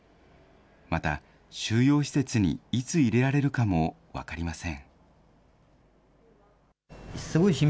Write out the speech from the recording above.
また収容施設にいつ入れられるかも分かりません。